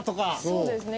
そうですね。